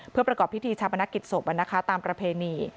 เพื่อประกอบพิธีชาปนกิจศพตามประเพณี